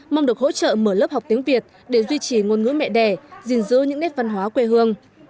mong được hỗ trợ mở lớp học tiếng việt để duy trì ngôn ngữ mẹ đẻ gìn giữ những nét văn hóa quê hương